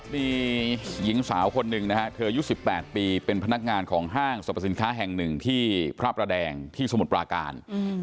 มีหญิงสาวคนหนึ่งนะฮะเธออายุ๑๘ปีเป็นพนักงานของห้างสรรพสินค้าแห่งหนึ่งที่พระประแดงที่สมุทรปราการ